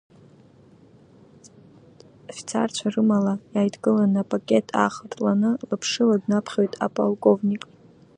Афицарцәа рымала иааидкыланы апакет аахыртланы лаԥшыла днаԥхьоит аполковник.